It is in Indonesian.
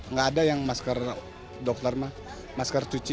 nggak ada yang masker dokter masker cuci